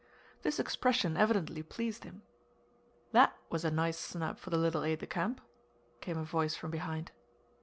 This expression evidently pleased him. "That was a nice snub for the little aide de camp," came a voice from behind.